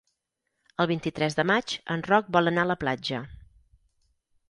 El vint-i-tres de maig en Roc vol anar a la platja.